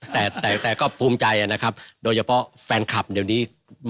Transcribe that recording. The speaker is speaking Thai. แต่ก็ภูมิใจนะครับโดยเฉพาะแฟนคลับเดี๋ยวนี้